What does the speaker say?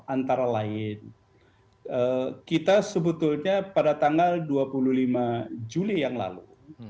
antara lain kita sebetulnya pada tanggal dua puluh lima juli yang lalu